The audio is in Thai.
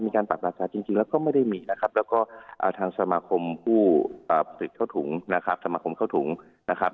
มีการปรับราชาจริงแล้วก็ไม่ได้มีนะครับแล้วก็ทางสมาคมผู้ตึกข้าวถุงนะครับ